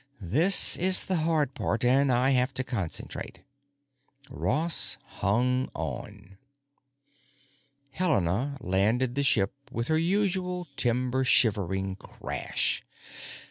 This is the hard part and I have to concentrate." Ross hung on. Helena landed the ship with her usual timber shivering crash.